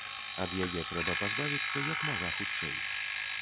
Ад яе трэба пазбавіцца як мага хутчэй.